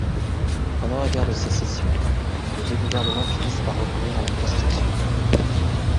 Pendant la guerre de sécession, les deux gouvernements finissent par recourir à la conscription.